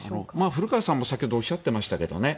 古川さんも先ほどおっしゃってましたけどね